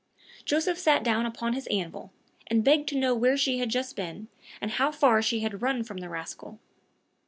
Joseph sat down upon his anvil, and begged to know where she had just been, and how far she had run from the rascal.